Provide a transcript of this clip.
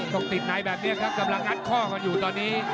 ต้องติดในแบบนี้ครับกำลังงัดข้อกันอยู่ตอนนี้